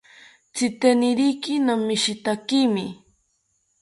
Tziteniriki nomishitakimi